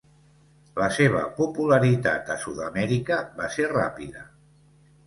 La seva popularitat a Sud-amèrica va ser ràpida.